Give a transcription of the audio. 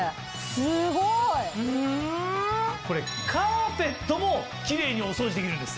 すごい！これカーペットもキレイにお掃除できるんです。